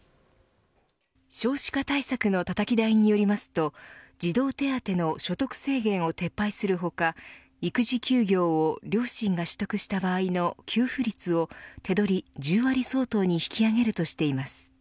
少子化対策のたたき台によりますと児童手当の所得制限を撤廃する他育児休業を両親が取得した場合の給付率を手取り１０割相当に引き上げるとしています。